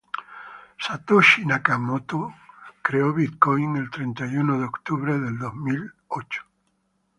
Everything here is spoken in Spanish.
Satoshi Nakamoto creó Bitcoin el treinta y uno de octubre del dos mil ocho.